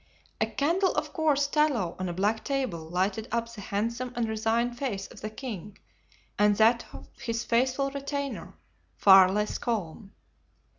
A candle of coarse tallow on a black table lighted up the handsome and resigned face of the king and that of his faithful retainer, far less calm.